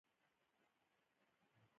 په پانګوال نظام کې د شتمنو خلکو ګټې خوندي دي.